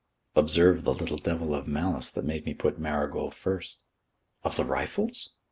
Observe the little devil of malice that made me put Marigold first. "Of the Rifles?"